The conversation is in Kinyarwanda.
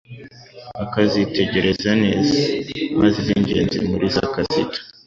akazitegereza neza, maze iz'ingenzi muri zo akazita